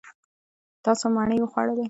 تاسو مڼې وخوړلې.